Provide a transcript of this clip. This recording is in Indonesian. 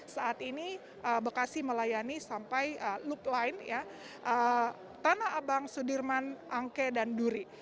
saat ini bekasi melayani sampai loop line tanah abang sudirman angke dan duri